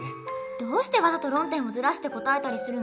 どうしてわざと論点をずらして答えたりするの？